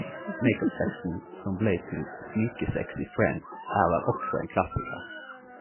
Make-up-sexen som blei til sminkesex i Friends er vel også ein klassikar...